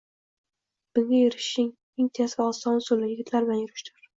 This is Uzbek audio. Bunga erishishning eng tez va oson usuli – yigitlar bilan yurishdir.